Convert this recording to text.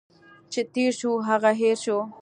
چي تیر شو، هغه هٻر شو.